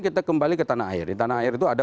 kita kembali ke tanah air di tanah air itu ada